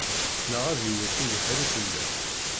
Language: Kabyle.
Neɣ ad yewwet ubeḥri fell-am.